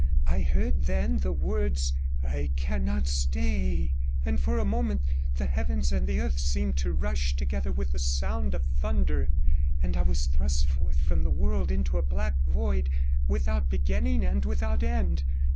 I heard, then, the words, "I cannot stay," and for a moment the heavens and the earth seemed to rush together with the sound of thunder, and I was thrust forth from the world into a black void without ing and without end.